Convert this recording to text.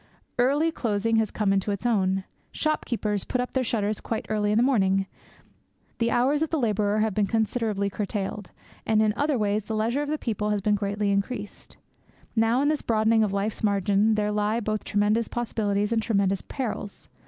Early closing has come into its own. Shopkeepers put up their shutters quite early in the evening; the hours of the labourer have been considerably curtailed; and in other ways the leisure of the people has been greatly increased. Now in this broadening of life's margin there lie both tremendous possibilities and tremendous perils.